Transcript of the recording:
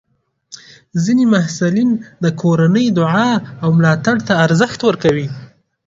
ځینې محصلین د کورنۍ دعا او ملاتړ ته ارزښت ورکوي.